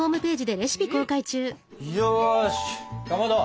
よしかまど！